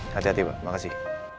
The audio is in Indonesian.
hati hati pak makasih